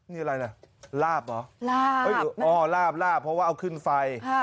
นี่อะไรนะลาบเหรอลาบอ๋อลาบลาบเพราะว่าเอาขึ้นไฟ